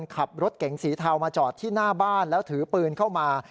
ขับรถเก๋งสีเทามาจอดที่หน้าบ้านแล้วถือปืนเข้ามา